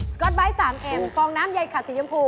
ก๊อตไบท์๓แอมฟองน้ำใยขัดสียมพู